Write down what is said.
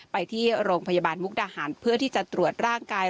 ไปที่โรงพยาบาลมุกดาหารเพื่อที่จะตรวจร่างกาย